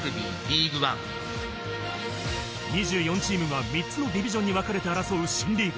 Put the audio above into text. ２４チームが３つのディビジョンに分かれて争う新リーグ。